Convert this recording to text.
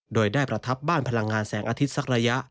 โดยได้ประทับบ้านพลังงานแสงอาทิตย์สักระยะ